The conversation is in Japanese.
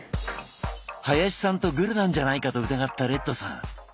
林さんとグルなんじゃないかと疑ったレッドさん。